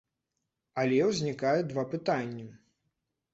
Але ўзнікае два пытанні.